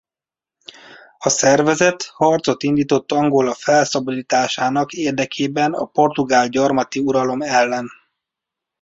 A szervezet harcot indított Angola felszabadításának érdekében a portugál gyarmati uralom ellen.